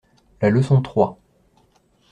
La leçon trois.